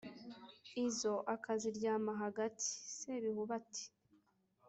izo akaziryama hagati ? »sebihubi ati »